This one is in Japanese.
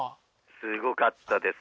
すごかったです。